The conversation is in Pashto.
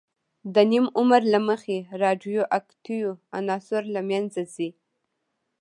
د نیم عمر له مخې رادیواکتیو عناصر له منځه ځي.